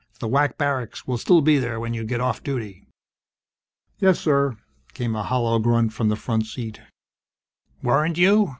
The WAC barracks will still be there when you get off duty!" "Yes, sir," came a hollow grunt from the front seat. "Weren't you?"